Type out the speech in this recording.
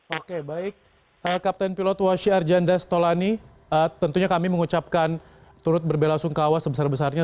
oke baik kapten pilot washi arjanda stolani tentunya kami mengucapkan turut berbela sungkawa sebesar besarnya